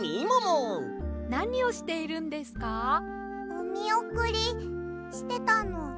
おみおくりしてたの。